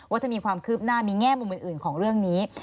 ว่าถ้ามีความคืบหน้ามีแง่มุมอื่นของเรื่องนี้